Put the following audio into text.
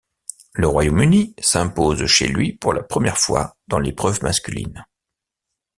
Le Royaume-Uni s'impose chez lui pour la première fois dans l'épreuve masculine.